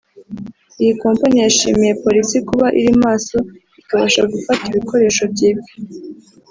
Iyi kompanyi yashimiye polisi kuba iri maso ikabasha gufata ibikoresho byibwe